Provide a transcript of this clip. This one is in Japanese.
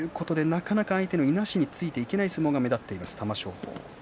なかなか相手のいなしについていけない相撲が目立っている玉正鳳。